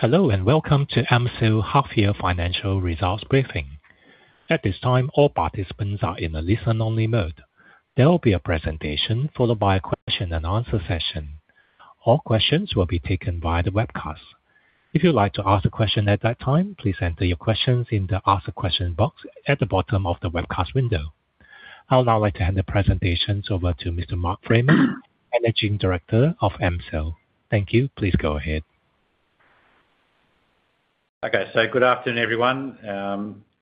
Hello and welcome to AMCIL half-year financial results briefing. At this time, all participants are in a listen-only mode. There will be a presentation followed by a question-and-answer session. All questions will be taken via the webcast. If you'd like to ask a question at that time, please enter your questions in the Ask a Question box at the bottom of the webcast window. I would now like to hand the presentations over to Mr. Mark Freeman, Managing Director of AMCIL. Thank you. Please go ahead. Okay. So, good afternoon, everyone.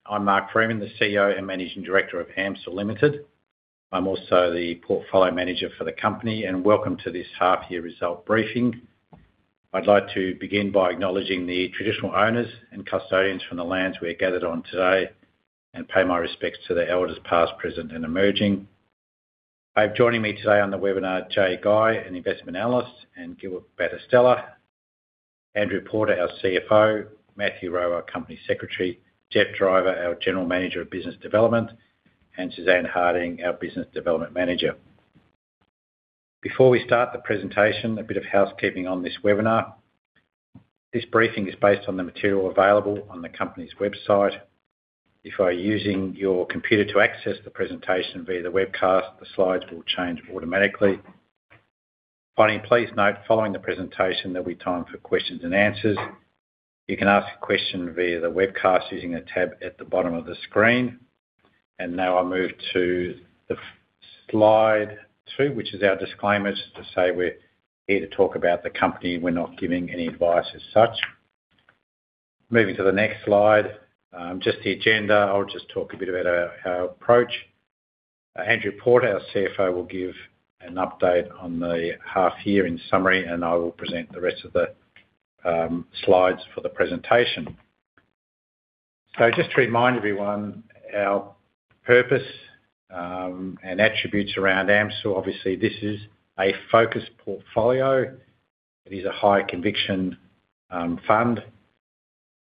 I'm Mark Freeman, the CEO and Managing Director of AMCIL Limited. I'm also the portfolio manager for the company, and welcome to this half-year result briefing. I'd like to begin by acknowledging the traditional owners and custodians from the lands we are gathered on today and pay my respects to their elders past, present, and emerging. I have joining me today on the webinar Jaye Guy, an investment analyst, and Gilbert Battistella. Andrew Porter, our CFO; Matthew Rowe, our Company Secretary; Geoffrey Driver, our General Manager of Business Development; and Suzanne Harding, our Business Development Manager. Before we start the presentation, a bit of housekeeping on this webinar. This briefing is based on the material available on the company's website. If you are using your computer to access the presentation via the webcast, the slides will change automatically. Finally, please note following the presentation there will be time for questions and answers. You can ask a question via the webcast using the tab at the bottom of the screen, and now I'll move to the slide two, which is our disclaimers to say we're here to talk about the company. We're not giving any advice as such. Moving to the next slide. Just the agenda. I'll just talk a bit about our approach. Andrew Porter, our CFO, will give an update on the half-year in summary, and I will present the rest of the slides for the presentation. So, just to remind everyone, our purpose and attributes around AMCIL, obviously, this is a focused portfolio. It is a high-conviction fund.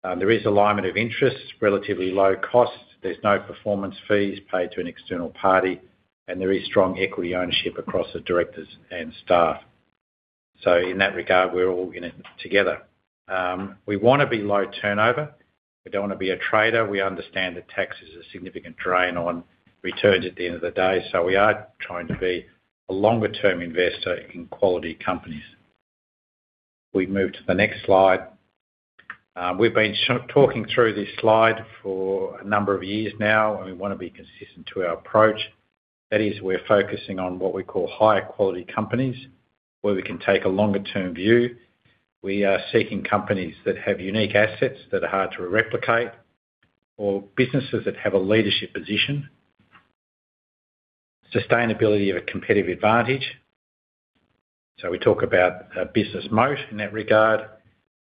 There is alignment of interests, relatively low costs. There's no performance fees paid to an external party, and there is strong equity ownership across the directors and staff. So, in that regard, we're all in it together. We want to be low turnover. We don't want to be a trader. We understand that tax is a significant drain on returns at the end of the day, so we are trying to be a longer-term investor in quality companies. We move to the next slide. We've been talking through this slide for a number of years now, and we want to be consistent to our approach. That is, we're focusing on what we call higher-quality companies where we can take a longer-term view. We are seeking companies that have unique assets that are hard to replicate or businesses that have a leadership position, sustainability of a competitive advantage. So, we talk about business moat in that regard.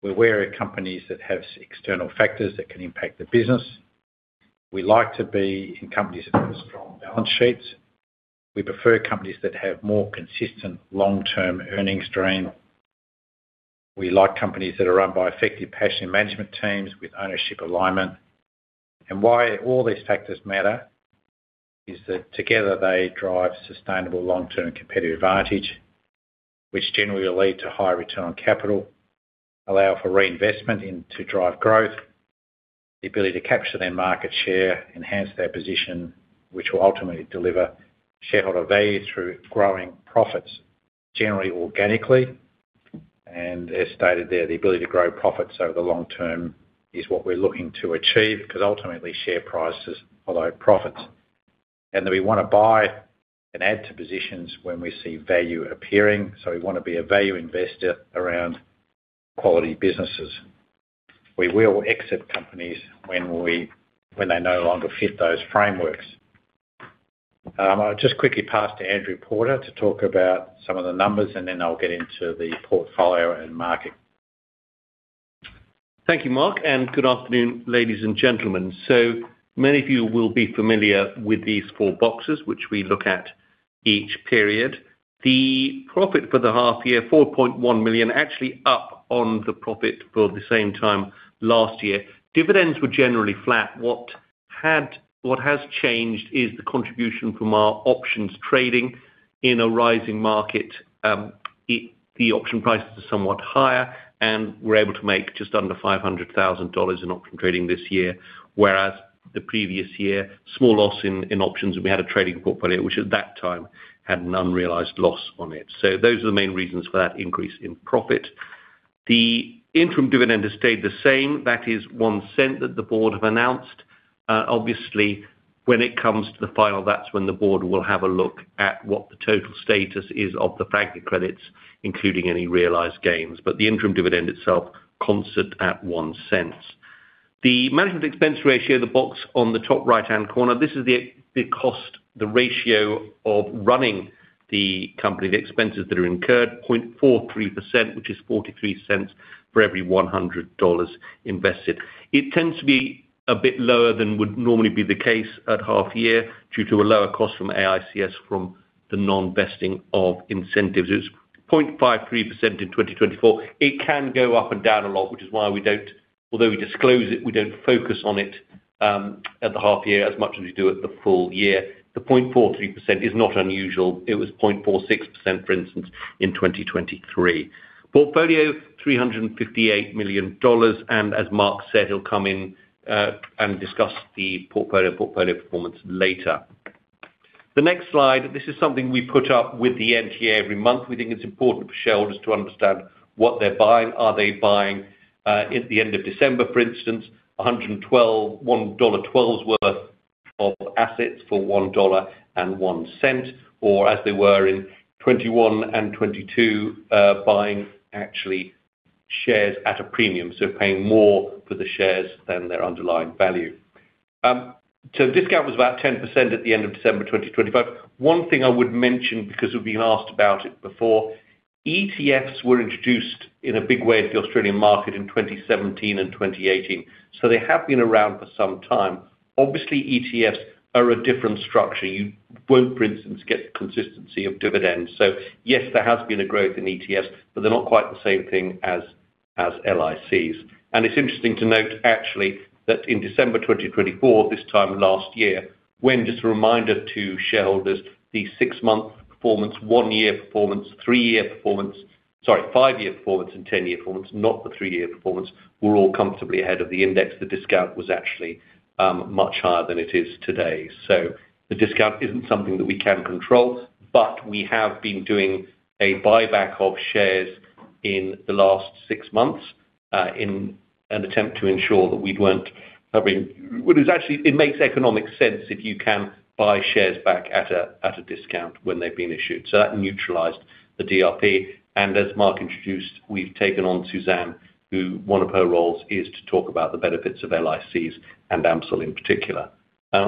We're aware of companies that have external factors that can impact the business. We like to be in companies that have strong balance sheets. We prefer companies that have more consistent long-term earnings growth. We like companies that are run by effective, passionate management teams with ownership alignment, and why all these factors matter is that together they drive sustainable long-term competitive advantage, which generally will lead to high return on capital, allow for reinvestment to drive growth, the ability to capture their market share, enhance their position, which will ultimately deliver shareholder value through growing profits, generally organically, and as stated there, the ability to grow profits over the long term is what we're looking to achieve because ultimately share prices follow profits, and we want to buy and add to positions when we see value appearing, so we want to be a value investor around quality businesses. We will exit companies when they no longer fit those frameworks. I'll just quickly pass to Andrew Porter to talk about some of the numbers, and then I'll get into the portfolio and market. Thank you, Mark. And good afternoon, ladies and gentlemen. So, many of you will be familiar with these four boxes, which we look at each period. The profit for the half-year, 4.1 million, actually up on the profit for the same time last year. Dividends were generally flat. What has changed is the contribution from our options trading. In a rising market, the option prices are somewhat higher, and we're able to make just under $500,000 in option trading this year, whereas the previous year, small loss in options, and we had a trading portfolio which at that time had an unrealized loss on it. So, those are the main reasons for that increase in profit. The interim dividend has stayed the same. That is one cent that the board have announced. Obviously, when it comes to the final, that's when the board will have a look at what the total status is of the franking credits, including any realized gains. But the interim dividend itself constant at 0.01. The management expense ratio, the box on the top right-hand corner, this is the cost, the ratio of running the company, the expenses that are incurred, 0.43%, which is 0.43 for every 100 dollars invested. It tends to be a bit lower than would normally be the case at half-year due to a lower cost from AICS from the non-investing of incentives. It's 0.53% in 2024. It can go up and down a lot, which is why we don't, although we disclose it, we don't focus on it at the half-year as much as we do at the full year. The 0.43% is not unusual. It was 0.46%, for instance, in 2023. Portfolio, 358 million dollars. As Mark said, he'll come in and discuss the portfolio performance later. The next slide, this is something we put up with the NTA every month. We think it's important for shareholders to understand what they're buying. Are they buying at the end of December, for instance, 1.12 dollar worth of assets for 1.01 dollar, or as they were in 2021 and 2022, buying actually shares at a premium, so paying more for the shares than their underlying value? The discount was about 10% at the end of December 2025. One thing I would mention because we've been asked about it before. ETFs were introduced in a big way to the Australian market in 2017 and 2018. They have been around for some time. Obviously, ETFs are a different structure. You won't, for instance, get consistency of dividends. So, yes, there has been a growth in ETFs, but they're not quite the same thing as LICs. And it's interesting to note, actually, that in December 2024, this time last year, when just a reminder to shareholders, the six-month performance, one-year performance, three-year performance, sorry, five-year performance, and ten-year performance, not the three-year performance, were all comfortably ahead of the index. The discount was actually much higher than it is today. So, the discount isn't something that we can control, but we have been doing a buyback of shares in the last six months in an attempt to ensure that we weren't having what is actually it makes economic sense if you can buy shares back at a discount when they've been issued. So, that neutralized the DRP. As Mark introduced, we've taken on Suzanne, who one of her roles is to talk about the benefits of LICs and AMCIL in particular.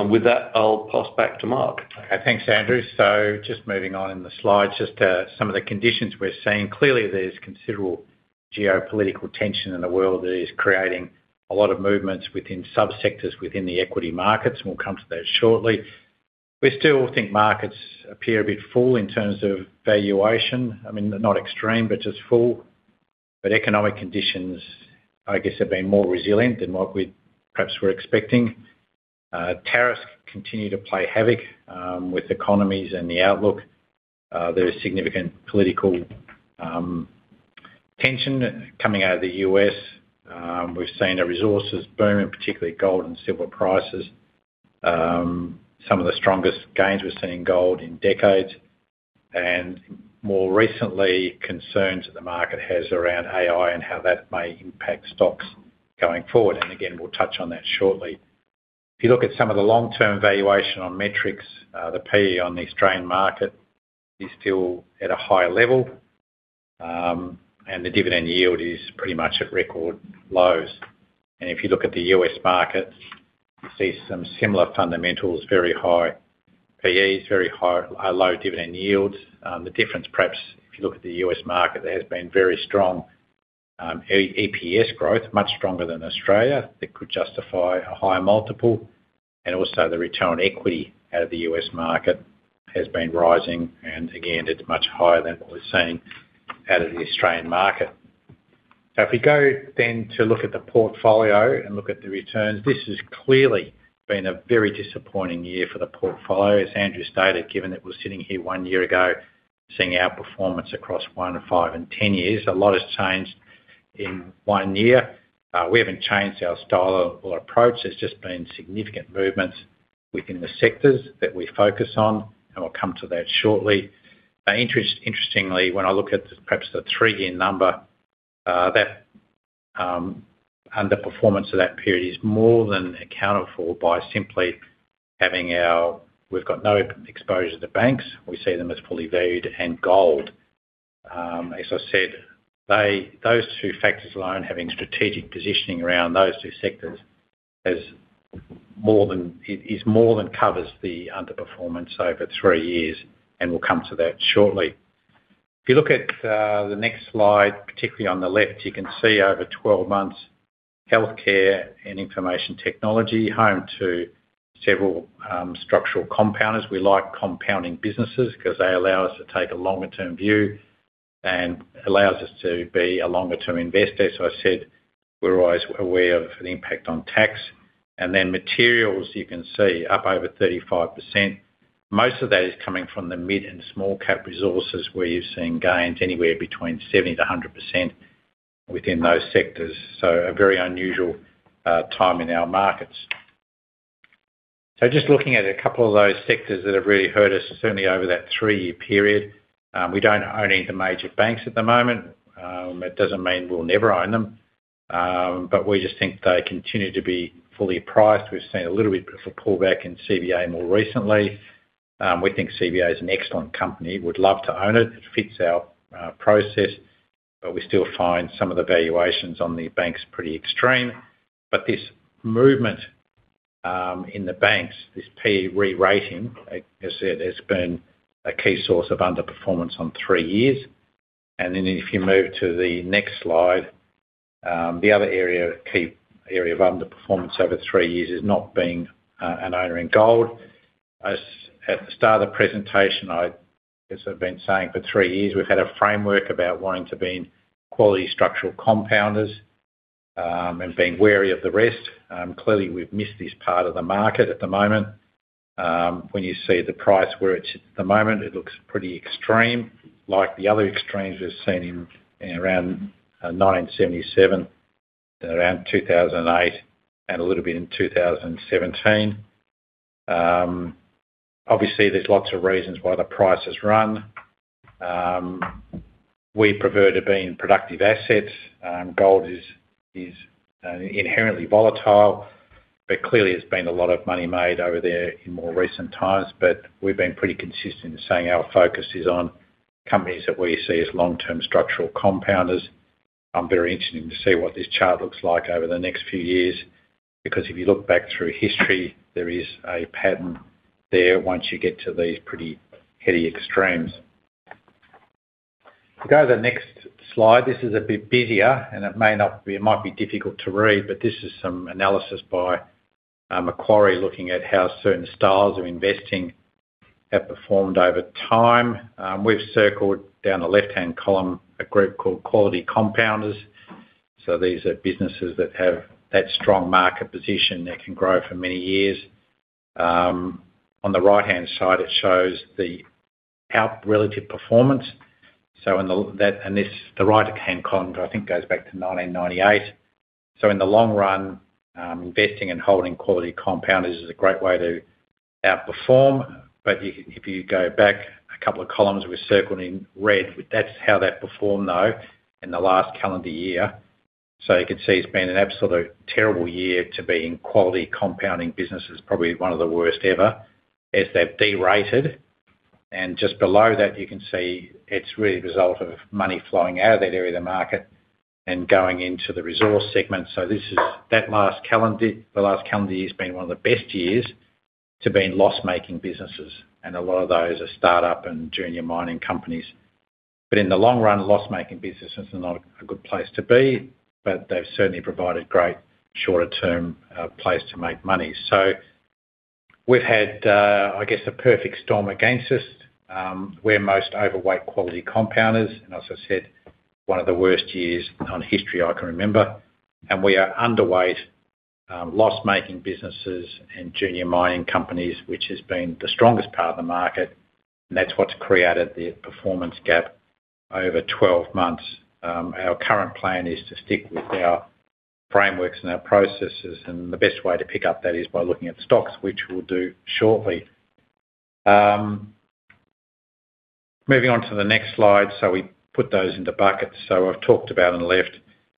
With that, I'll pass back to Mark. Okay. Thanks, Andrew. So, just moving on in the slides, just some of the conditions we're seeing. Clearly, there's considerable geopolitical tension in the world that is creating a lot of movements within subsectors within the equity markets, and we'll come to that shortly. We still think markets appear a bit full in terms of valuation. I mean, not extreme, but just full. But economic conditions, I guess, have been more resilient than what we perhaps were expecting. Tariffs continue to play havoc with economies and the outlook. There is significant political tension coming out of the U.S. We've seen a resources boom in particularly gold and silver prices. Some of the strongest gains we've seen in gold in decades. And more recently, concerns that the market has around AI and how that may impact stocks going forward. And again, we'll touch on that shortly. If you look at some of the long-term valuation metrics, the PE on the Australian market is still at a high level, and the dividend yield is pretty much at record lows. And if you look at the U.S. market, you see some similar fundamentals, very high PEs, very low dividend yields. The difference, perhaps, if you look at the U.S. market, there has been very strong EPS growth, much stronger than Australia. That could justify a higher multiple. And also, the return on equity out of the U.S. market has been rising. And again, it's much higher than what we're seeing out of the Australian market. So, if we go then to look at the portfolio and look at the returns, this has clearly been a very disappointing year for the portfolio. As Andrew stated, given that we're sitting here one year ago, seeing our performance across one, five, and ten years, a lot has changed in one year. We haven't changed our style or approach. There's just been significant movements within the sectors that we focus on, and we'll come to that shortly. Interestingly, when I look at perhaps the three-year number, that underperformance of that period is more than accountable by simply having we've got no exposure to banks and gold. We see them as fully valued. As I said, those two factors alone, having strategic positioning around those two sectors, is more than covers the underperformance over three years, and we'll come to that shortly. If you look at the next slide, particularly on the left, you can see over 12 months, healthcare and information technology, home to several structural compounders. We like compounding businesses because they allow us to take a longer-term view and allow us to be a longer-term investor. So, I said we're always aware of the impact on tax. And then materials, you can see up over 35%. Most of that is coming from the mid and small-cap resources where you've seen gains anywhere between 70%-100% within those sectors. So, a very unusual time in our markets. So, just looking at a couple of those sectors that have really hurt us, certainly over that three-year period, we don't own any of the major banks at the moment. It doesn't mean we'll never own them, but we just think they continue to be fully priced. We've seen a little bit of a pullback in CBA more recently. We think CBA is an excellent company. We'd love to own it. It fits our process, but we still find some of the valuations on the banks pretty extreme. But this movement in the banks, this PE re-rating, as I said, has been a key source of underperformance on three years, and then if you move to the next slide, the other key area of underperformance over three years is not being an owner in gold. At the start of the presentation, as I've been saying, for three years, we've had a framework about wanting to be quality structural compounders and being wary of the rest. Clearly, we've missed this part of the market at the moment. When you see the price where it's at the moment, it looks pretty extreme, like the other extremes we've seen in around 1977, around 2008, and a little bit in 2017. Obviously, there's lots of reasons why the price has run. We prefer to be in productive assets. Gold is inherently volatile, but clearly, there's been a lot of money made over there in more recent times. But we've been pretty consistent in saying our focus is on companies that we see as long-term structural compounders. I'm very interested in seeing what this chart looks like over the next few years because if you look back through history, there is a pattern there once you get to these pretty heavy extremes. If we go to the next slide, this is a bit busier, and it might be difficult to read, but this is some analysis by Macquarie looking at how certain styles of investing have performed over time. We've circled down the left-hand column a group called quality compounders. So, these are businesses that have that strong market position. They can grow for many years. On the right-hand side, it shows the relative performance. So, and the right-hand column, I think, goes back to 1998. So, in the long run, investing and holding quality compounders is a great way to outperform. But if you go back a couple of columns, we've circled in red, that's how they've performed, though, in the last calendar year. So, you can see it's been an absolute terrible year to be in quality compounding businesses, probably one of the worst ever, as they've de-rated. And just below that, you can see it's really a result of money flowing out of that area of the market and going into the resource segment. So, that last calendar year has been one of the best years to be in loss-making businesses. And a lot of those are startup and junior mining companies. But in the long run, loss-making businesses are not a good place to be, but they've certainly provided great shorter-term place to make money. So, we've had, I guess, a perfect storm against us. We're most overweight quality compounders, and as I said, one of the worst years in history I can remember. And we are underweight loss-making businesses and junior mining companies, which has been the strongest part of the market. And that's what's created the performance gap over 12 months. Our current plan is to stick with our frameworks and our processes. And the best way to pick up that is by looking at stocks, which we'll do shortly. Moving on to the next slide. So, we put those into buckets. So, I've talked about on the left,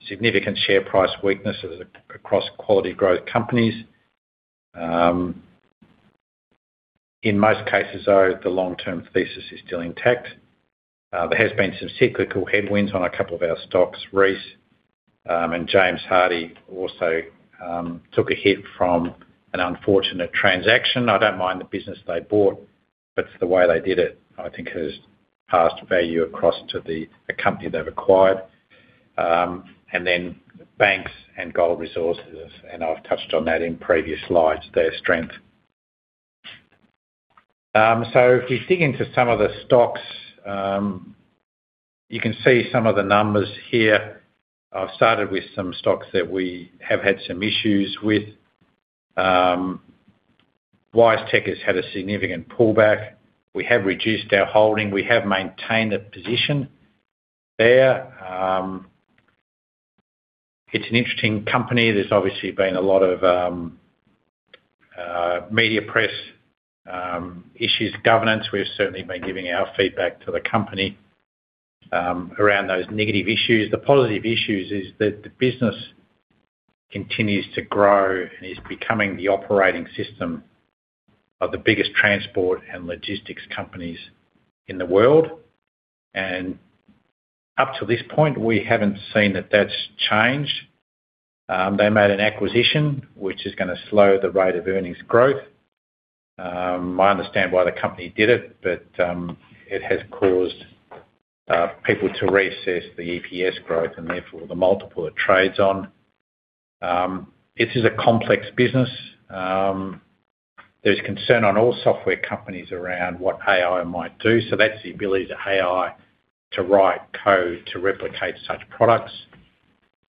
significant share price weaknesses across quality growth companies. In most cases, though, the long-term thesis is still intact. There has been some cyclical headwinds on a couple of our stocks. Reece and James Hardie also took a hit from an unfortunate transaction. I don't mind the business they bought, but the way they did it, I think, has passed value across to the company they've acquired, and then banks and gold resources, and I've touched on that in previous slides, their strength. If we dig into some of the stocks, you can see some of the numbers here. I've started with some stocks that we have had some issues with. WiseTech has had a significant pullback. We have reduced our holding. We have maintained a position there. It's an interesting company. There's obviously been a lot of media press issues, governance. We've certainly been giving our feedback to the company around those negative issues. The positive issue is that the business continues to grow and is becoming the operating system of the biggest transport and logistics companies in the world. And up to this point, we haven't seen that that's changed. They made an acquisition, which is going to slow the rate of earnings growth. I understand why the company did it, but it has caused people to reassess the EPS growth and therefore the multiple it trades on. This is a complex business. There's concern on all software companies around what AI might do. So, that's the ability of AI to write code to replicate such products.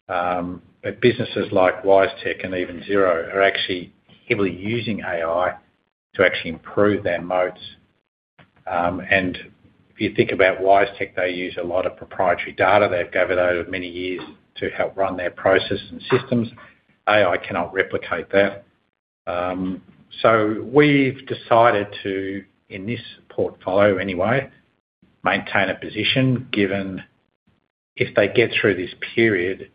But businesses like WiseTech and even Xero are actually heavily using AI to actually improve their moats. And if you think about WiseTech, they use a lot of proprietary data. They've gathered over many years to help run their processes and systems. AI cannot replicate that. So, we've decided to, in this portfolio anyway, maintain a position given if they get through this period,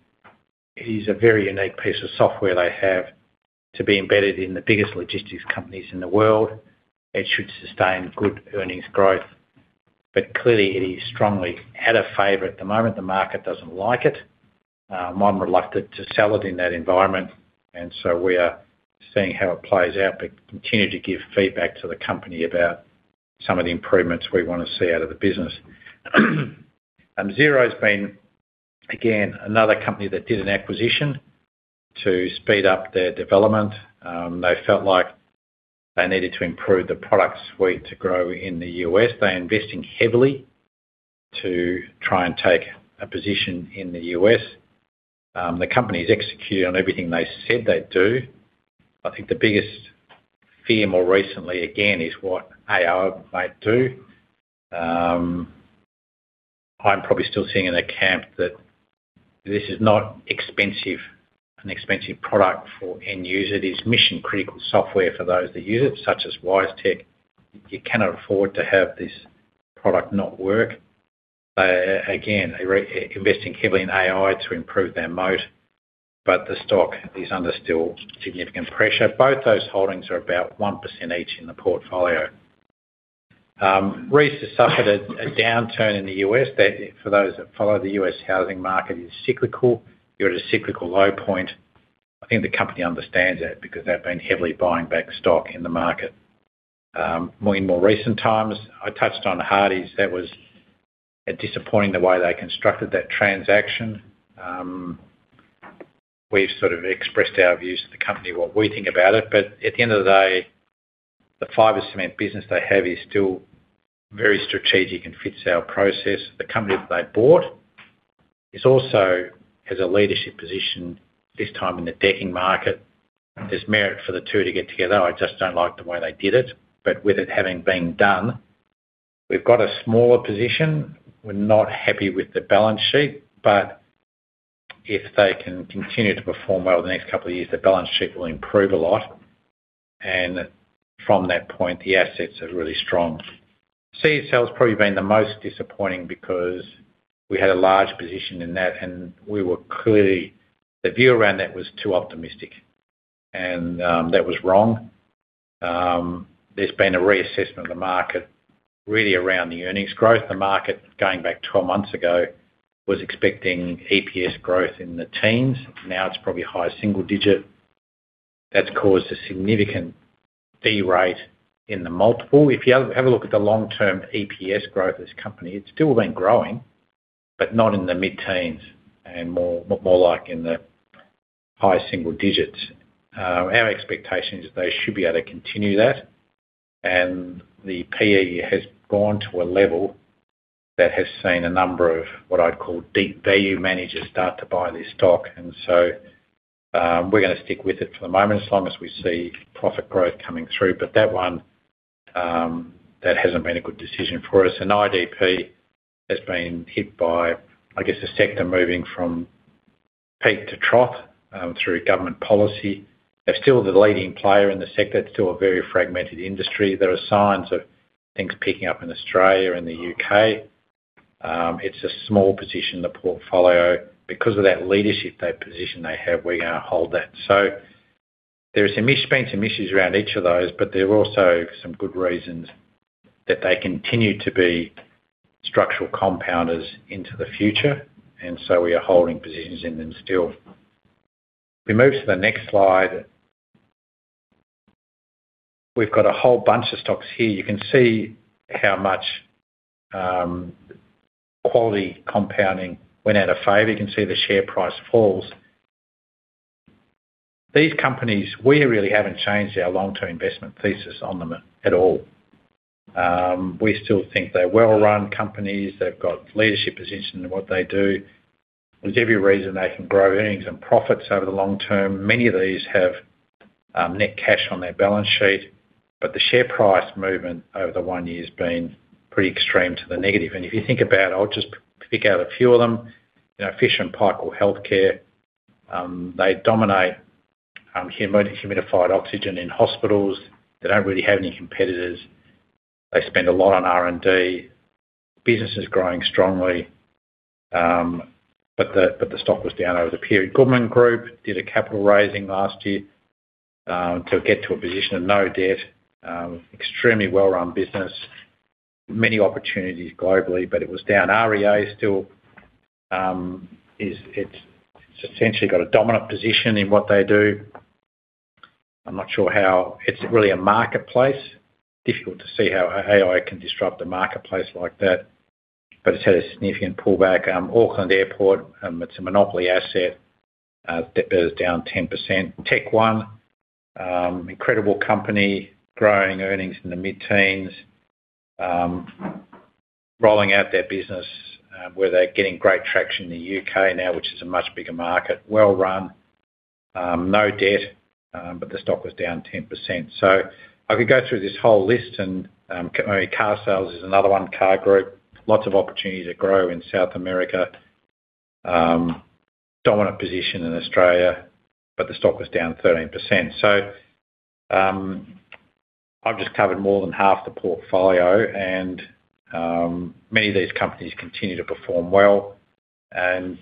it is a very unique piece of software they have to be embedded in the biggest logistics companies in the world. It should sustain good earnings growth. But clearly, it is strongly out of favor at the moment. The market doesn't like it. I'm reluctant to sell it in that environment. And so, we are seeing how it plays out, but continue to give feedback to the company about some of the improvements we want to see out of the business. Xero has been, again, another company that did an acquisition to speed up their development. They felt like they needed to improve the product suite to grow in the U.S. They're investing heavily to try and take a position in the U.S. The company has executed on everything they said they'd do. I think the biggest fear more recently, again, is what AI might do. I'm probably still seeing it in a camp that this is not an expensive product for end users. It is mission-critical software for those that use it, such as WiseTech. You cannot afford to have this product not work. They're, again, investing heavily in AI to improve their moat, but the stock is under still significant pressure. Both those holdings are about 1% each in the portfolio. Reece has suffered a downturn in the U.S. For those that follow the U.S. housing market, it is cyclical. You're at a cyclical low point. I think the company understands that because they've been heavily buying back stock in the market in more recent times. I touched on Hardie’s. That was disappointing the way they constructed that transaction. We've sort of expressed our views to the company, what we think about it. But at the end of the day, the fiber cement business they have is still very strategic and fits our process. The company that they bought also has a leadership position this time in the decking market. There's merit for the two to get together. I just don't like the way they did it. But with it having been done, we've got a smaller position. We're not happy with the balance sheet. But if they can continue to perform well over the next couple of years, the balance sheet will improve a lot. And from that point, the assets are really strong. CSL has probably been the most disappointing because we had a large position in that, and we were clearly the view around that was too optimistic. And that was wrong. There's been a reassessment of the market really around the earnings growth. The market, going back 12 months ago, was expecting EPS growth in the teens. Now it's probably high single digit. That's caused a significant de-rate in the multiple. If you have a look at the long-term EPS growth of this company, it's still been growing, but not in the mid-teens and more like in the high single digits. Our expectation is they should be able to continue that. And the PE has gone to a level that has seen a number of what I'd call deep value managers start to buy this stock. And so, we're going to stick with it for the moment as long as we see profit growth coming through. But that one, that hasn't been a good decision for us. IDP has been hit by, I guess, the sector moving from peak to trough through government policy. They're still the leading player in the sector. It's still a very fragmented industry. There are signs of things picking up in Australia and the U.K. It's a small position in the portfolio. Because of that leadership position they have, we're going to hold that. So, there's been some issues around each of those, but there are also some good reasons that they continue to be structural compounders into the future. And so, we are holding positions in them still. If we move to the next slide, we've got a whole bunch of stocks here. You can see how much quality compounding went out of favor. You can see the share price falls. These companies, we really haven't changed our long-term investment thesis on them at all. We still think they're well-run companies. They've got leadership positions in what they do. There's every reason they can grow earnings and profits over the long term. Many of these have net cash on their balance sheet. But the share price movement over the one year has been pretty extreme to the negative. And if you think about it, I'll just pick out a few of them. Fisher & Paykel Healthcare. They dominate humidified oxygen in hospitals. They don't really have any competitors. They spend a lot on R&D. Business is growing strongly. But the stock was down over the period. Goodman Group did a capital raising last year to get to a position of no debt. Extremely well-run business. Many opportunities globally, but it was down. REA still has essentially got a dominant position in what they do. I'm not sure how it's really a marketplace. Difficult to see how AI can disrupt a marketplace like that. But it's had a significant pullback. Auckland Airport, it's a monopoly asset. That was down 10%. TechnologyOne, incredible company, growing earnings in the mid-teens, rolling out their business where they're getting great traction in the U.K. now, which is a much bigger market. Well-run, no debt, but the stock was down 10%. So, I could go through this whole list. And carsales is another one. CAR Group, lots of opportunity to grow in South America. Dominant position in Australia, but the stock was down 13%. So, I've just covered more than half the portfolio. And many of these companies continue to perform well. And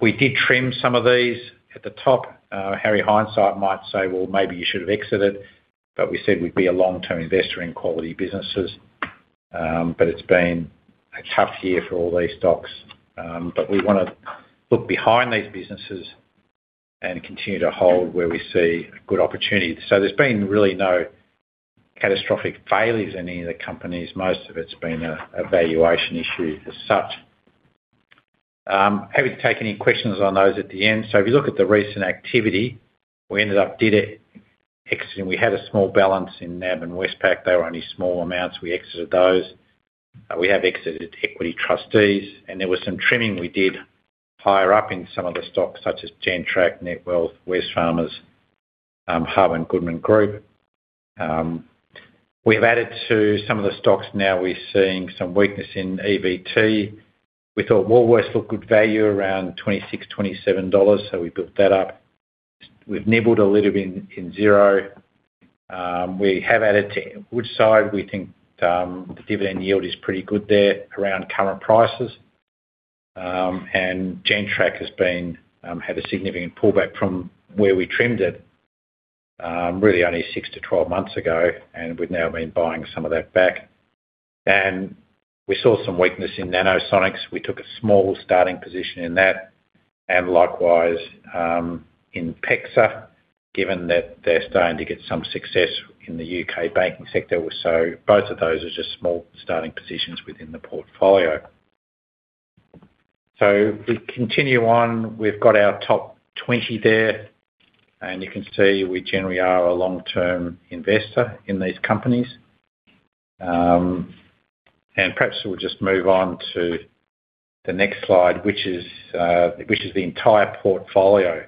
we did trim some of these at the top. Harry Hindsight might say, "Well, maybe you should have exited." But we said we'd be a long-term investor in quality businesses. But it's been a tough year for all these stocks. But we want to look behind these businesses and continue to hold where we see a good opportunity. So, there's been really no catastrophic failures in any of the companies. Most of it's been a valuation issue as such. Have you taken any questions on those at the end? So, if you look at the recent activity, we ended up exiting. We had a small balance in NAB and Westpac. They were only small amounts. We exited those. We have exited Equity Trustees. And there was some trimming we did higher up in some of the stocks, such as Gentrack, Netwealth, Wesfarmers, Hub, and Goodman Group. We've added to some of the stocks now. We're seeing some weakness in EVT. We thought Woolworths looked good value around 26, 27 dollars. So, we built that up. We've nibbled a little bit in Xero. We have added to Woodside. We think the dividend yield is pretty good there around current prices, and Gentrack has had a significant pullback from where we trimmed it, really only six to 12 months ago, and we've now been buying some of that back, and we saw some weakness in Nanosonics. We took a small starting position in that, and likewise in PEXA, given that they're starting to get some success in the U.K. banking sector, so both of those are just small starting positions within the portfolio, so we continue on. We've got our top 20 there, and you can see we generally are a long-term investor in these companies, and perhaps we'll just move on to the next slide, which is the entire portfolio.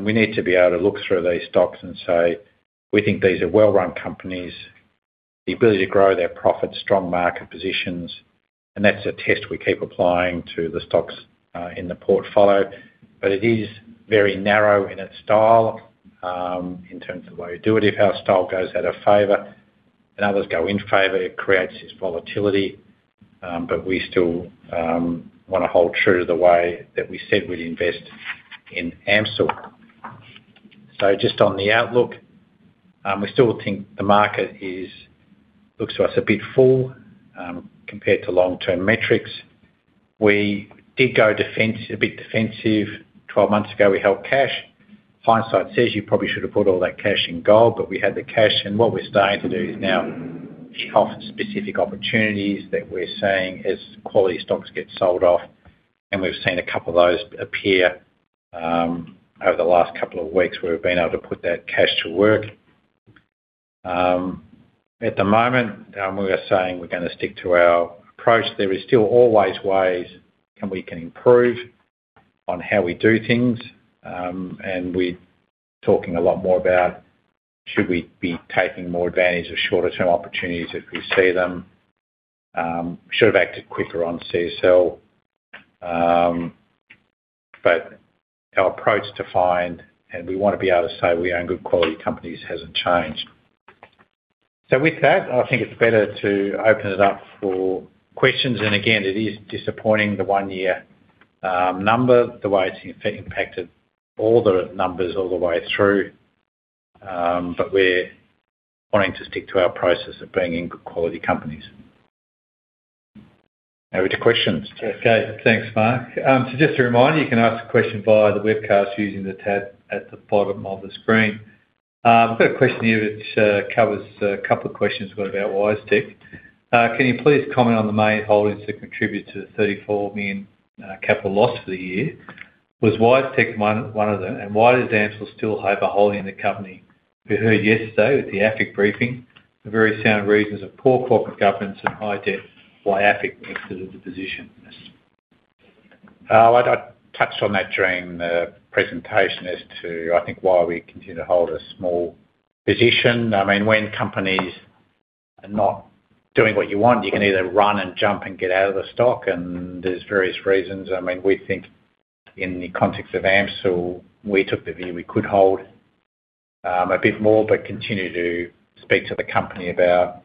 We need to be able to look through these stocks and say, "We think these are well-run companies. The ability to grow their profits, strong market positions." That's a test we keep applying to the stocks in the portfolio. It is very narrow in its style in terms of the way we do it. If our style goes out of favor and others go in favor, it creates this volatility. We still want to hold true to the way that we said we'd invest in AMCIL. Just on the outlook, we still think the market looks to us a bit full compared to long-term metrics. We did go a bit defensive. 12 months ago, we held cash. Hindsight says you probably should have put all that cash in gold. We had the cash. And what we're starting to do is now kick off specific opportunities that we're seeing as quality stocks get sold off. And we've seen a couple of those appear over the last couple of weeks where we've been able to put that cash to work. At the moment, we are saying we're going to stick to our approach. There are still always ways we can improve on how we do things. And we're talking a lot more about should we be taking more advantage of shorter-term opportunities if we see them. We should have acted quicker on CSL. But our approach to find, and we want to be able to say we own good quality companies, hasn't changed. So, with that, I think it's better to open it up for questions. And again, it is disappointing, the one-year number, the way it's impacted all the numbers all the way through. But we're wanting to stick to our process of bringing in good quality companies. Any questions? Okay. Thanks, Mark. So, just a reminder, you can ask a question via the webcast using the tab at the bottom of the screen. We've got a question here which covers a couple of questions we've got about WiseTech. Can you please comment on the main holdings that contributed to the 34 million capital loss for the year? Was WiseTech one of them? And why does AMCIL still have a holding in the company? We heard yesterday at the AFIC briefing the very sound reasons of poor corporate governance and high debt. Why AFIC exited the position? I touched on that during the presentation as to, I think, why we continue to hold a small position. I mean, when companies are not doing what you want, you can either run and jump and get out of the stock. And there's various reasons. I mean, we think in the context of AMCIL, we took the view we could hold a bit more but continue to speak to the company about,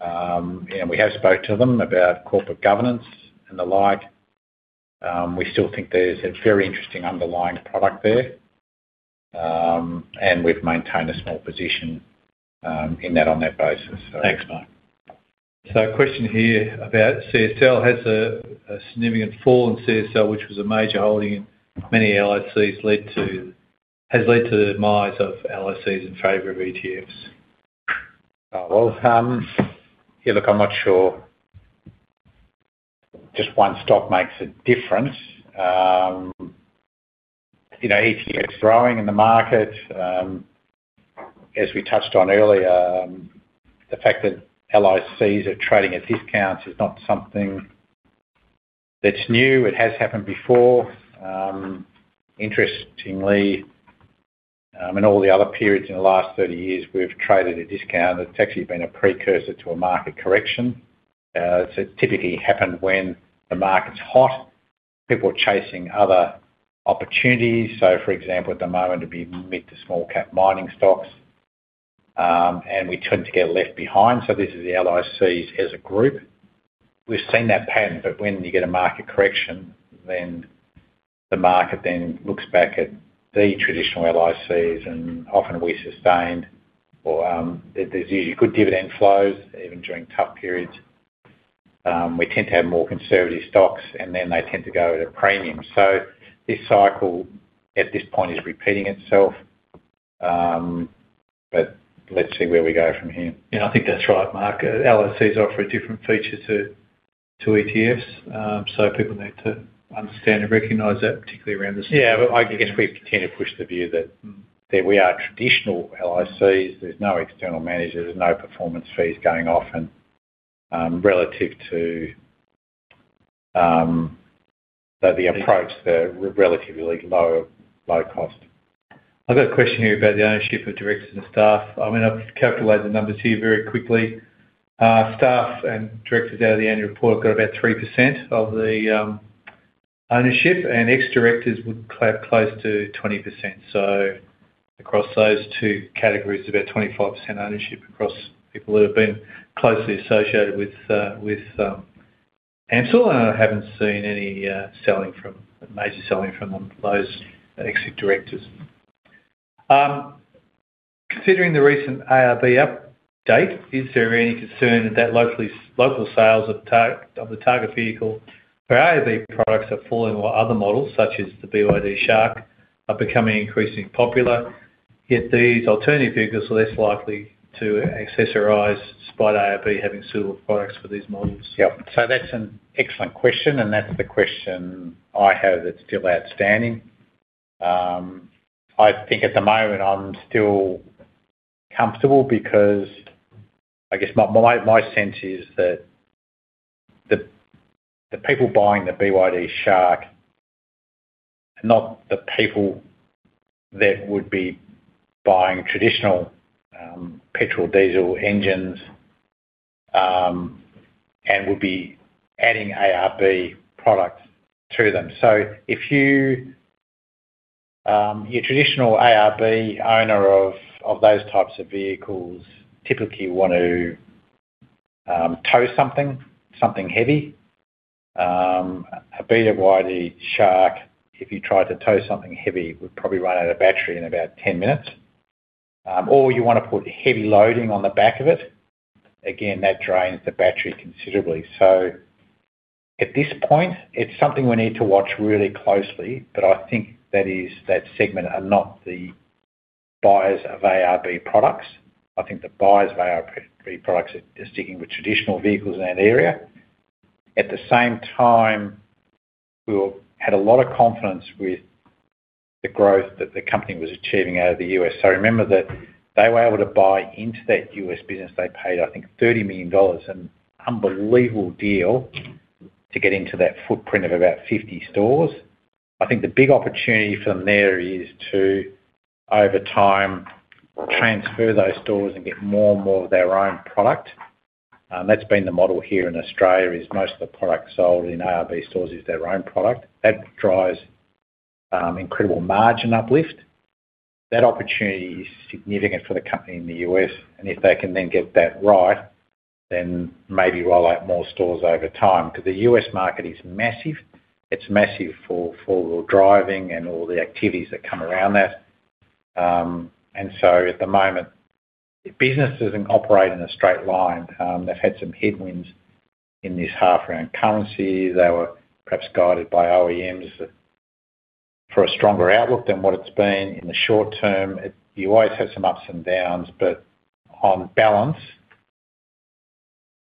and we have spoke to them about corporate governance and the like. We still think there's a very interesting underlying product there. And we've maintained a small position in that on that basis. Thanks, Mark. So, a question here about CSL. Has a significant fall in CSL, which was a major holding in many LICs, has led to the demise of LICs in favor of ETFs? Well, yeah, look, I'm not sure just one stock makes a difference. ETFs growing in the market. As we touched on earlier, the fact that LICs are trading at discounts is not something that's new. It has happened before. Interestingly, in all the other periods in the last 30 years, we've traded at discount. It's actually been a precursor to a market correction. It typically happened when the market's hot. People are chasing other opportunities, so for example, at the moment, it'd be mid- to small-cap mining stocks, and we tend to get left behind, so this is the LICs as a group. We've seen that pattern, but when you get a market correction, then the market then looks back at the traditional LICs, and often we sustained, or there's usually good dividend flows, even during tough periods. We tend to have more conservative stocks, and then they tend to go at a premium, so this cycle at this point is repeating itself. But let's see where we go from here. Yeah, I think that's right, Mark. LICs offer a different feature to ETFs. So, people need to understand and recognize that, particularly around the stock. Yeah, but I guess we continue to push the view that we are traditional LICs. There's no external managers. There's no performance fees going off. And relative to the approach, they're relatively low cost. I've got a question here about the ownership of directors and staff. I'm going to capitalize the numbers here very quickly. Staff and directors out of the annual report have got about 3% of the ownership. And ex-directors would come close to 20%. So, across those two categories, about 25% ownership across people that have been closely associated with AMCIL. And I haven't seen any major selling from those ex-directors. Considering the recent ARB update, is there any concern that local sales of the target vehicle for ARB products are falling while other models, such as the BYD Shark, are becoming increasingly popular? Yet these alternative vehicles are less likely to accessorize despite ARB having suitable products for these models. Yep. So, that's an excellent question. And that's the question I have that's still outstanding. I think at the moment, I'm still comfortable because I guess my sense is that the people buying the BYD Shark are not the people that would be buying traditional petrol, diesel engines and would be adding ARB products to them. So, if you're a traditional ARB owner of those types of vehicles, typically you want to tow something, something heavy. A BYD Shark, if you try to tow something heavy, would probably run out of battery in about 10 minutes. Or you want to put heavy loading on the back of it. Again, that drains the battery considerably. So, at this point, it's something we need to watch really closely. But I think that segment are not the buyers of ARB products. I think the buyers of ARB products are sticking with traditional vehicles in that area. At the same time, we had a lot of confidence with the growth that the company was achieving out of the U.S. So, remember that they were able to buy into that U.S. business. They paid, I think, $30 million. An unbelievable deal to get into that footprint of about 50 stores. I think the big opportunity for them there is to, over time, transfer those stores and get more and more of their own product. That's been the model here in Australia. Most of the product sold in ARB stores is their own product. That drives incredible margin uplift. That opportunity is significant for the company in the U.S. If they can then get that right, then maybe roll out more stores over time. The U.S. market is massive. It's massive for all the driving and all the activities that come around that. At the moment, business doesn't operate in a straight line. They've had some headwinds in this half around currency. They were perhaps guided by OEMs for a stronger outlook than what it's been in the short term. You always have some ups and downs. On balance,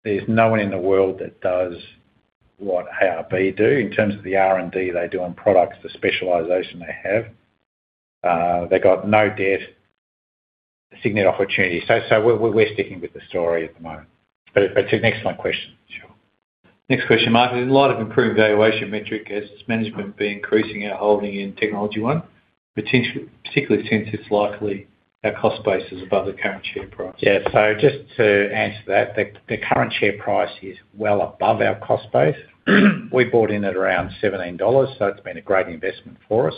there's no one in the world that does what ARB do. In terms of the R&D they do on products, the specialization they have, they've got no debt, a significant opportunity. So, we're sticking with the story at the moment. But it's an excellent question. Sure. Next question, Mark. There's a lot of improved valuation metric as management be increasing our holding in TechnologyOne, particularly since it's likely our cost base is above the current share price. Yeah. So, just to answer that, the current share price is well above our cost base. We bought in at around $17. So, it's been a great investment for us.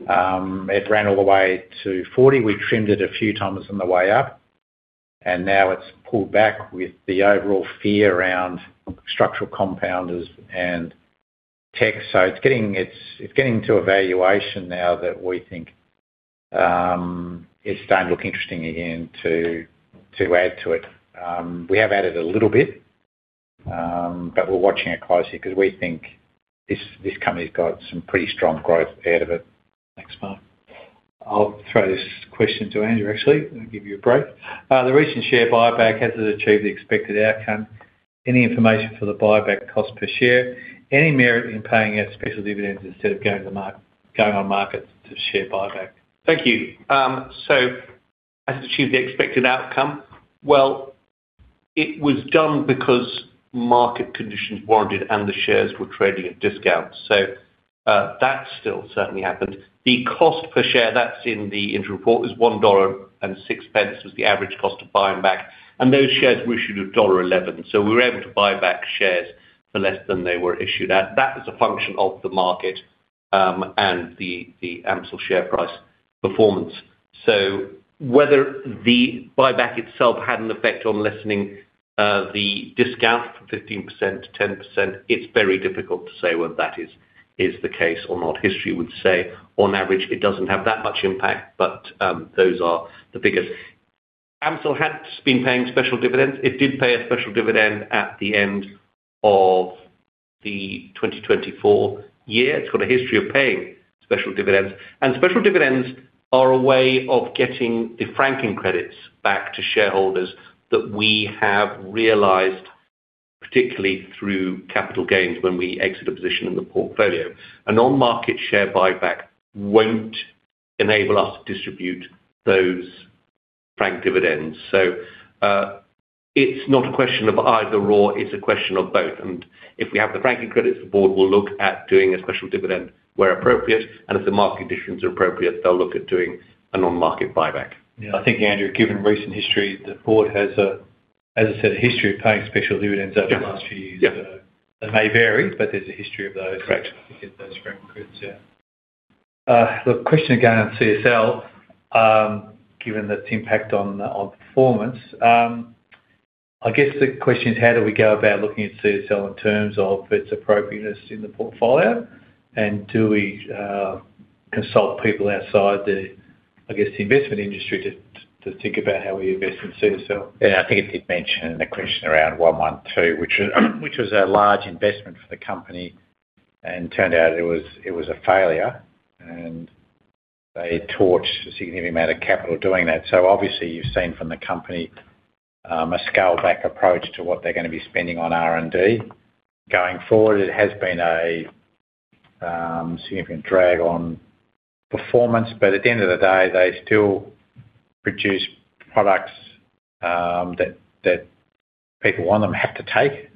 It ran all the way to $40. We trimmed it a few times on the way up. And now it's pulled back with the overall fear around structural compounders and tech. So, it's getting to a valuation now that we think it's starting to look interesting again to add to it. We have added a little bit. But we're watching it closely because we think this company's got some pretty strong growth ahead of it. Thanks, Mark. I'll throw this question to Andrew, actually, and give you a break. The recent share buyback, has it achieved the expected outcome? Any information for the buyback cost per share? Any merit in paying out special dividends instead of going on markets to share buyback? T hank you. So, has it achieved the expected outcome? Well, it was done because market conditions warranted and the shares were trading at discounts. So, that still certainly happened. The cost per share that's in the interim report is 1.06 dollar was the average cost of buying back. And those shares were issued at dollar 1.11. So, we were able to buy back shares for less than they were issued at. That was a function of the market and the AMCIL share price performance. So, whether the buyback itself had an effect on lessening the discount from 15% to 10%, it's very difficult to say whether that is the case or not. History would say, on average, it doesn't have that much impact. But those are the figures. AMCIL has been paying special dividends. It did pay a special dividend at the end of the 2024 year. It's got a history of paying special dividends. And special dividends are a way of getting the franking credits back to shareholders that we have realized, particularly through capital gains when we exit a position in the portfolio. A non-market share buyback won't enable us to distribute those franked dividends. So, it's not a question of either/or. It's a question of both. And if we have the franking credits, the board will look at doing a special dividend where appropriate. And if the market conditions are appropriate, they'll look at doing a non-market buyback. Yeah. I think, Andrew, given recent history, the board has, as I said, a history of paying special dividends over the last few years. So, it may vary. But there's a history of those franking credits. Yeah. Look, question again on CSL, given its impact on performance. I guess the question is, how do we go about looking at CSL in terms of its appropriateness in the portfolio? And do we consult people outside the, I guess, investment industry to think about how we invest in CSL? Yeah. I think you did mention the question around 112, which was a large investment for the company. And it turned out it was a failure. And they torched a significant amount of capital doing that. So, obviously, you've seen from the company a scale-back approach to what they're going to be spending on R&D going forward. It has been a significant drag on performance. But at the end of the day, they still produce products that people want them to have to take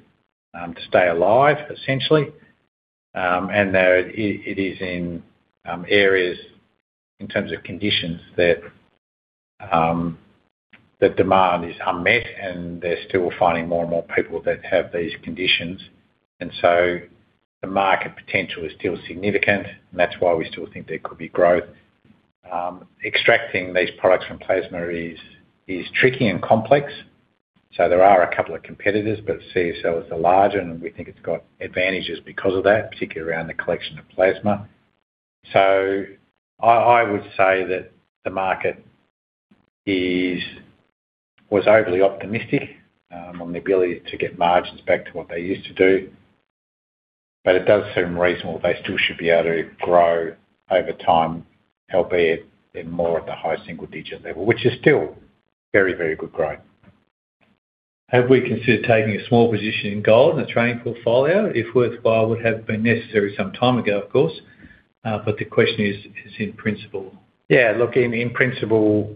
to stay alive, essentially. And it is in areas in terms of conditions that the demand is unmet. And they're still finding more and more people that have these conditions. And so, the market potential is still significant. And that's why we still think there could be growth. Extracting these products from plasma is tricky and complex. So, there are a couple of competitors. But CSL is the larger. And we think it's got advantages because of that, particularly around the collection of plasma. I would say that the market was overly optimistic on the ability to get margins back to what they used to do. But it does seem reasonable they still should be able to grow over time, albeit more at the high single-digit level, which is still very, very good growth. Have we considered taking a small position in gold in a training portfolio? If worthwhile, it would have been necessary some time ago, of course. But the question is, is it in principle? Yeah. Look, in principle,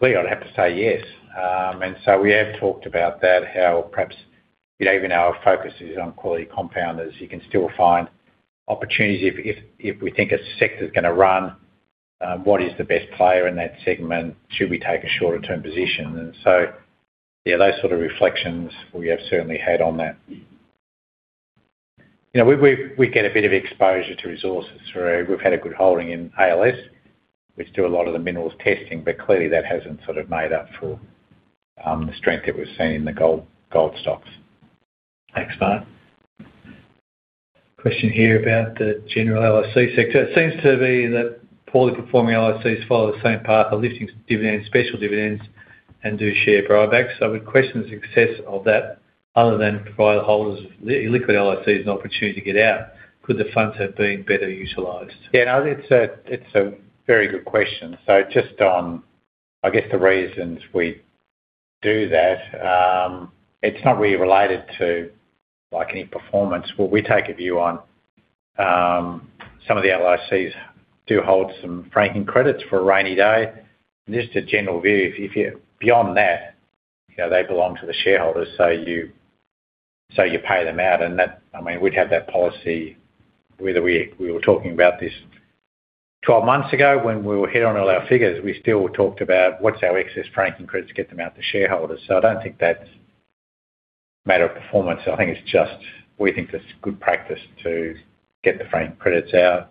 clearly, I'd have to say yes. And so, we have talked about that, how perhaps even our focus is on quality compounders. You can still find opportunities. If we think a sector's going to run, what is the best player in that segment? Should we take a shorter-term position? And so, yeah, those sort of reflections we have certainly had on that. We get a bit of exposure to resources. We've had a good holding in ALS, which do a lot of the minerals testing. But clearly, that hasn't sort of made up for the strength that we've seen in the gold stocks. Thanks, Mark. Question here about the general LIC sector. It seems to be that poorly performing LICs follow the same path of lifting special dividends and do share buybacks. So, with questions, success of that, other than provide holders of illiquid LICs an opportunity to get out, could the funds have been better utilized? Yeah. No, it's a very good question. So, just on, I guess, the reasons we do that, it's not really related to any performance. What we take a view on, some of the LICs do hold some franking credits for a rainy day. Just a general view, beyond that, they belong to the shareholders. So, you pay them out. And I mean, we'd have that policy, whether we were talking about this 12 months ago when we were heading on all our figures, we still talked about what's our excess franking credits to get them out to shareholders. So, I don't think that's a matter of performance. I think it's just we think it's good practice to get the franking credits out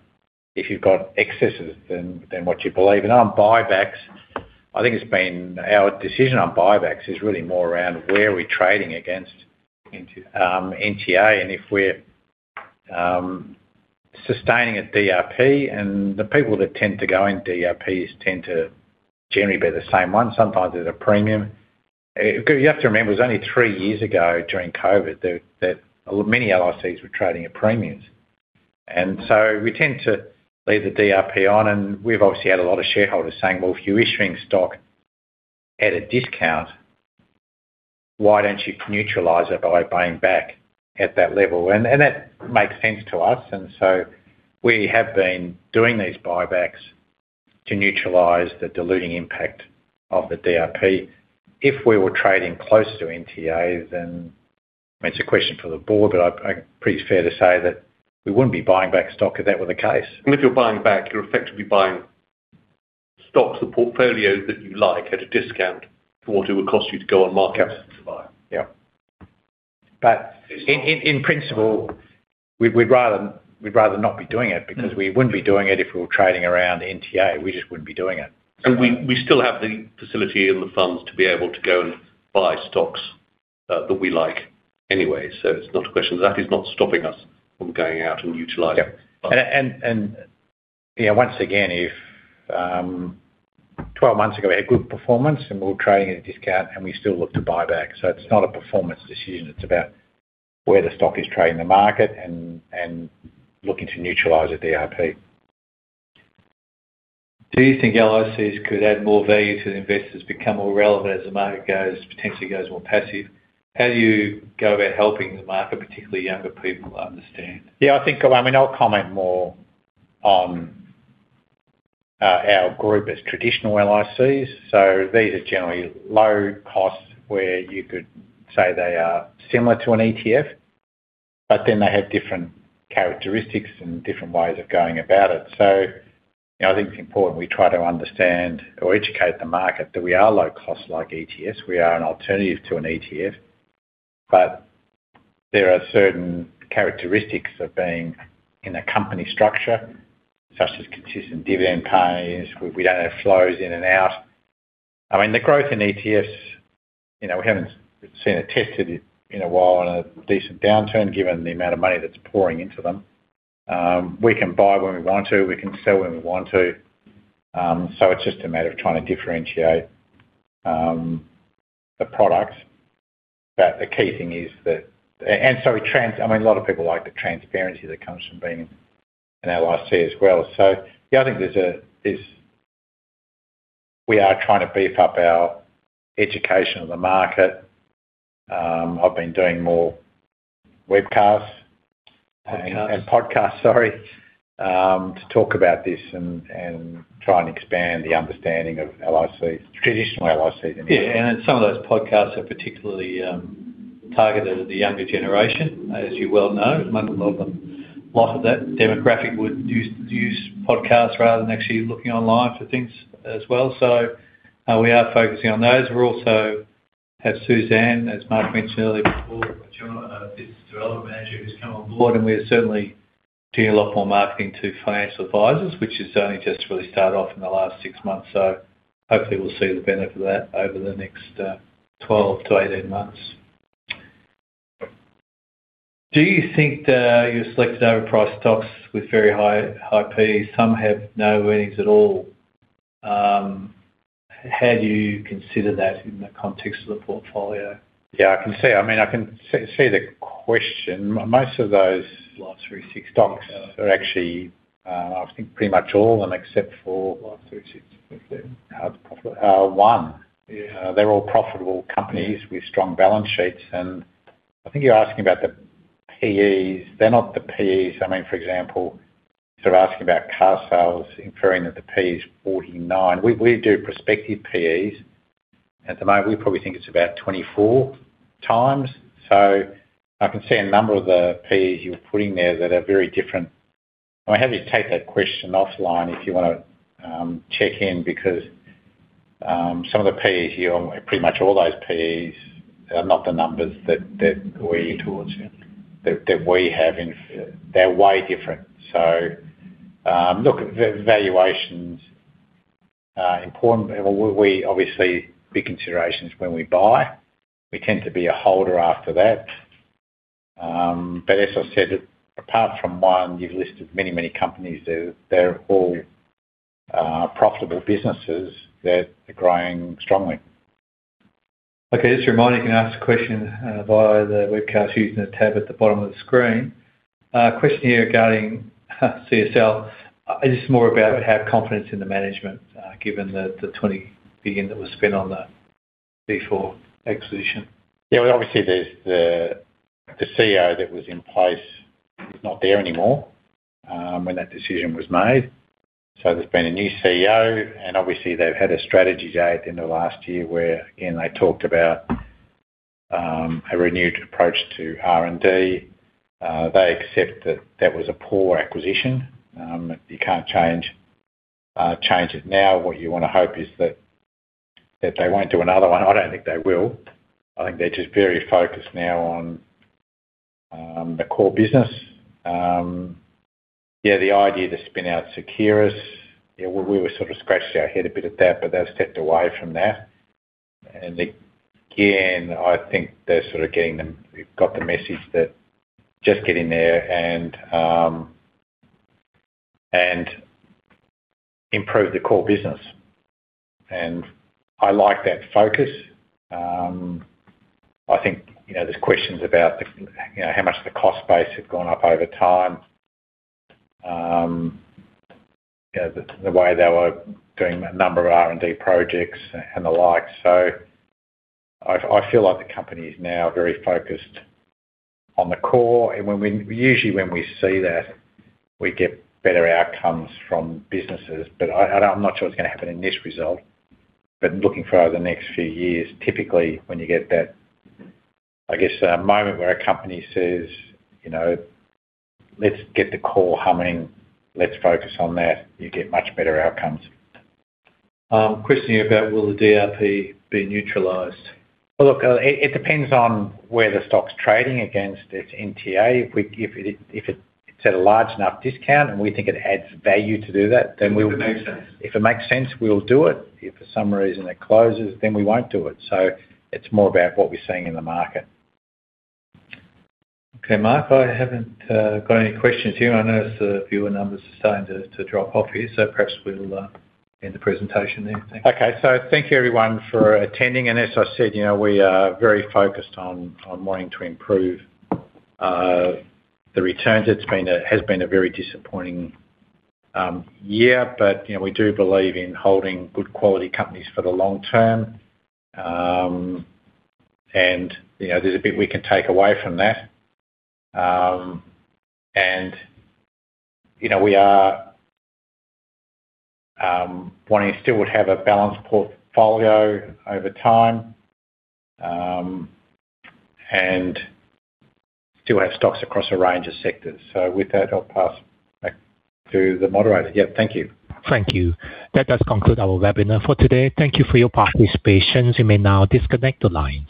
if you've got excesses than what you believe. And on buybacks, I think it's been our decision on buybacks is really more around where we're trading against NTA. And if we're sustaining a DRP, and the people that tend to go in DRPs tend to generally be the same one. Sometimes there's a premium. You have to remember, it was only three years ago during COVID that many LICs were trading at premiums. And so, we tend to leave the DRP on. We've obviously had a lot of shareholders saying, "Well, if you're issuing stock at a discount, why don't you neutralize it by buying back at that level?" That makes sense to us. We have been doing these buybacks to neutralize the diluting impact of the DRP. If we were trading close to NTA, then it's a question for the board. But I'm pretty fair to say that we wouldn't be buying back stock if that were the case. If you're buying back, you're effectively buying stocks or portfolios that you like at a discount for what it would cost you to go on markets to buy. Yep. In principle, we'd rather not be doing it because we wouldn't be doing it if we were trading around NTA. We just wouldn't be doing it. We still have the facility and the funds to be able to go and buy stocks that we like anyway. So, it's not a question that is not stopping us from going out and utilizing the funds. Yeah. And yeah, once again, 12 months ago, we had good performance. And we were trading at a discount. And we still look to buy back. So, it's not a performance decision. It's about where the stock is trading in the market and looking to neutralize a DRP. Do you think LICs could add more value to investors, become more relevant as the market potentially goes more passive? How do you go about helping the market, particularly younger people, understand? Yeah. I think, I mean, I'll comment more on our group as traditional LICs. So, these are generally low costs where you could say they are similar to an ETF. But then they have different characteristics and different ways of going about it. So, I think it's important we try to understand or educate the market that we are low cost like ETFs. We are an alternative to an ETF. But there are certain characteristics of being in a company structure, such as consistent dividend pays. We don't have flows in and out. I mean, the growth in ETFs, we haven't seen it tested in a while on a decent downturn, given the amount of money that's pouring into them. We can buy when we want to. We can sell when we want to. So, it's just a matter of trying to differentiate the products. But the key thing is that, and so, I mean, a lot of people like the transparency that comes from being an LIC as well. So, yeah, I think we are trying to beef up our education of the market. I've been doing more webcasts and podcasts, sorry, to talk about this and try and expand the understanding of LICs, traditional LICs. Yeah. And some of those podcasts are particularly targeted at the younger generation, as you well know. A lot of that demographic would use podcasts rather than actually looking online for things as well. So, we are focusing on those. We also have Suzanne, as Mark mentioned earlier before, a business development manager who's come on board. And we're certainly doing a lot more marketing to financial advisors, which has only just really started off in the last six months. So, hopefully, we'll see the benefit of that over the next 12-18 months. Do you think you've selected overpriced stocks with very high P? Some have no earnings at all. How do you consider that in the context of the portfolio? Yeah. I can see it. I mean, I can see the question. Most of those last three or six stocks are actually, I think, pretty much all of them except for one. They're all profitable companies with strong balance sheets. And I think you're asking about the PEs. They're not the PEs. I mean, for example, sort of asking about carsales, inferring that the PE is 49. We do prospective PEs. At the moment, we probably think it's about 24 times. So, I can see a number of the PEs you're putting there that are very different. I'm happy to take that question offline if you want to check in because some of the PEs, pretty much all those PEs, are not the numbers that we have in. They're way different. So, look, valuation's important. Obviously, a big consideration is when we buy. We tend to be a holder after that. But as I said, apart from one, you've listed many, many companies. They're all profitable businesses that are growing strongly. Okay. Just a reminder, you can ask the question via the webcast using the tab at the bottom of the screen. Question here regarding CSL. Is this more about having confidence in the management, given the 20 billion that was spent on the Vifor acquisition? Yeah. Well, obviously, the CEO that was in place is not there anymore when that decision was made. So, there's been a new CEO. And obviously, they've had a strategy day at the end of last year where, again, they talked about a renewed approach to R&D. They accept that that was a poor acquisition. You can't change it now. What you want to hope is that they won't do another one. I don't think they will. I think they're just very focused now on the core business. Yeah. The idea to spin out Seqirus, we were sort of scratching our head a bit at that. But they've stepped away from that. And again, I think they've sort of got the message that just get in there and improve the core business. And I like that focus. I think there's questions about how much the cost base has gone up over time, the way they were doing a number of R&D projects and the like. So, I feel like the company is now very focused on the core. And usually, when we see that, we get better outcomes from businesses. But I'm not sure it's going to happen in this result. But looking forward to the next few years, typically, when you get that, I guess, moment where a company says, "Let's get the core humming. Let's focus on that," you get much better outcomes. Question here about will the DRP be neutralized? Well, look, it depends on where the stock's trading against its NTA. If it's at a large enough discount and we think it adds value to do that, then we'll, if it makes sense. If it makes sense, we'll do it. If for some reason it closes, then we won't do it. So, it's more about what we're seeing in the market. Okay. Mark, I haven't got any questions here. I noticed the viewer numbers are starting to drop off here. So, perhaps we'll end the presentation there. Okay. So, thank you, everyone, for attending. And as I said, we are very focused on wanting to improve the returns. It has been a very disappointing year. But we do believe in holding good quality companies for the long term. And there's a bit we can take away from that. And we are wanting to still have a balanced portfolio over time and still have stocks across a range of sectors. So, with that, I'll pass back to the moderator. Y eah. Thank you. Thank you. That does conclude our webinar for today. Thank you for your participation. You may now disconnect the lines.